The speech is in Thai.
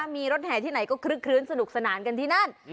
มีรถแห่ที่ไหนก็คลึกคลื้นสนุกสนานกันที่นั่น